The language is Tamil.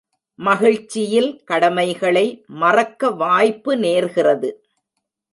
மகிழ்ச்சியில் கடமைகளை மறக்க வாய்ப்பு நேர்கிறது.